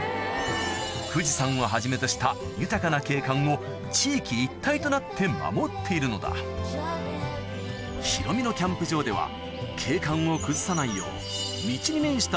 富士山をはじめとした豊かな景観を地域一体となって守っているのだヒロミのキャンプ場では景観を崩さないよう道に面した